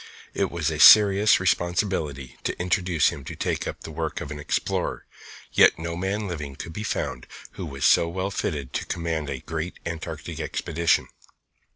It was a serious responsibility to induce him to take up the work of an explorer; yet no man living could be found who was so well fitted to command a great Antarctic Expedition.